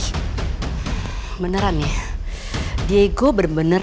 kebenaran ya diego bener bener